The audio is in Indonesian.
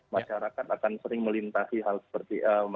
masyarakat akan sering melintasi hal seperti